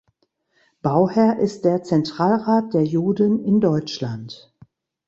Bauherr ist der Zentralrat der Juden in Deutschland.